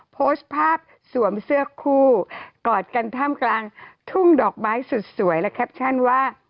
โพสต์ภาพสวมเสื้อคู่กอดกันท่ามกลางทุ่งดอกไม้สุดสวยและแคปชั่นว่า